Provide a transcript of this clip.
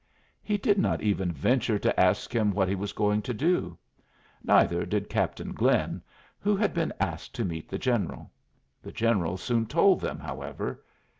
He did not even venture to ask him what he was going to do. Neither did Captain Glynn, who had been asked to meet the General. The General soon told them, however.